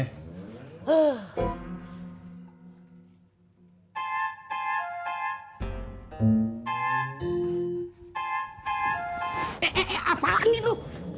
eh eh eh apaan itu